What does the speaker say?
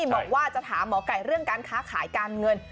บอกว่าจะถามหมอไก่เรื่องการค้าขายการเงิน